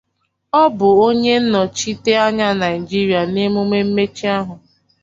Ọ bụ onye nnọchite anya Naijiria n'emume mmechi ahụ.